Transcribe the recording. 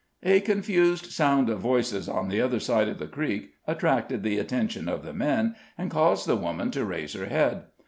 A confused sound of voices on the other side of the creek attracted the attention of the men, and caused the woman to raise her head.